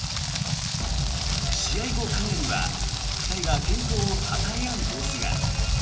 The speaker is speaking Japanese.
試合後、カメラには２人が健闘をたたえ合う様子が。